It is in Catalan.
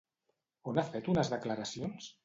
On ha fet unes declaracions?